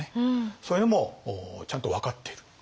そういうのもちゃんと分かっている。